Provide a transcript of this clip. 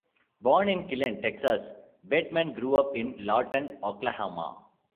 Born in Killeen, Texas, Bateman grew up in Lawton, Oklahoma.